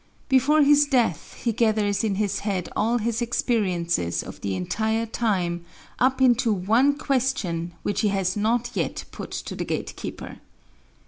Before his death he gathers in his head all his experiences of the entire time up into one question which he has not yet put to the gatekeeper.